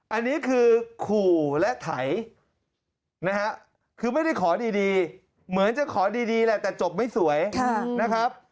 อันนี้คือขู่และไถนะฮะคือไม่ได้ขอดีเหมือนจะขอดีแหละแต่จบไม่สวยนะครับ